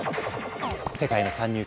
世界の参入